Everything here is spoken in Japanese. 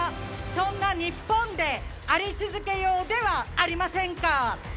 そんな日本であり続けようではありませんか。